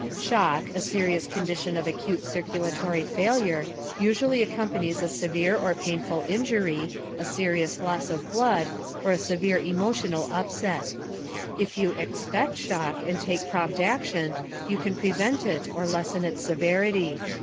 _ Shock, a serious condition of acute circulatory failure, usually accompanies a severe or painful injury, a serious loss of blood, or a severe emotional upset. If you expect shock, and take prompt action, you can prevent it or lessen its severity.